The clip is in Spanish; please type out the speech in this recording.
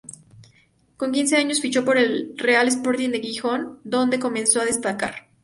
Con quince años fichó por el Real Sporting de Gijón, dónde comenzó a destacar.